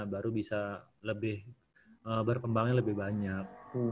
baru bisa lebih berkembangnya lebih banyak